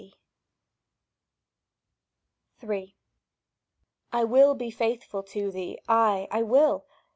SHE, TO HIM III I WILL be faithful to thee; aye, I will!